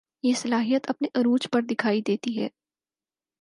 یہ صلاحیت اپنے عروج پر دکھائی دیتی ہے